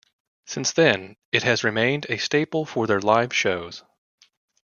Since then, it has remained a staple for their live shows.